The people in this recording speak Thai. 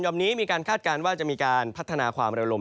นี้มีการคาดการณ์ว่าจะมีการพัฒนาความเร็วลม